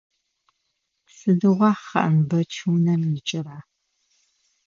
Сыдигъо Хъанбэч унэм икӏыра?